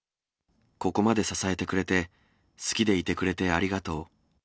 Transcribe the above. ここまで支えてくれて、好きでいてくれてありがとう。